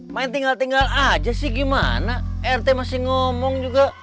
main tinggal tinggal aja sih gimana rt masih ngomong juga